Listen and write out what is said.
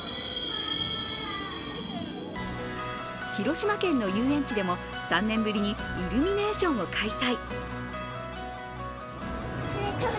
広島県の遊園地でも３年ぶりにイルミネーションを開催